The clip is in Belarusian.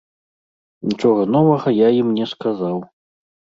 Нічога новага я ім не сказаў.